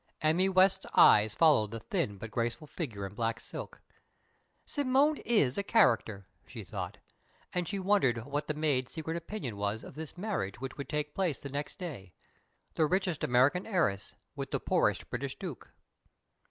Emmy West's eyes followed the thin but graceful figure in black silk. "Simone is a character!" she thought. And she wondered what the maid's secret opinion was of this marriage which would take place next day; the richest American heiress with the poorest British duke!